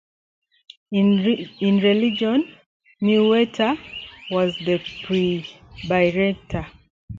In religion, Mewhirter was a Presbyterian.